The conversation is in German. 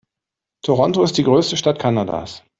Toronto ist die größte Stadt Kanadas.